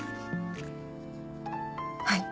はい。